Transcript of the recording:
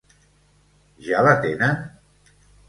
Ja l'atenen?